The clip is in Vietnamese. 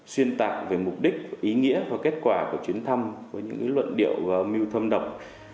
xuyên tạc về mục đích ý nghĩa và kết quả của chuyến thăm với những luận điệu thâm độc